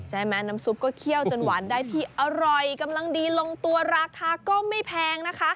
น้ำซุปก็เคี่ยวจนหวานได้ที่อร่อยกำลังดีลงตัวราคาก็ไม่แพงนะคะ